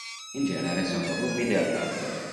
In genere sono ruvide al tatto.